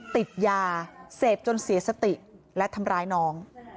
ติดยาเสพจนเสียสติและทำร้ายน้อง